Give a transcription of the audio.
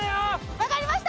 分かりました！